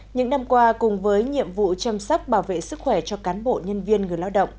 những năm qua cùng với nhiệm vụ chăm sóc bảo vệ sức khỏe cho cán bộ nhân viên người lao động